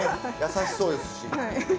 優しそうですし。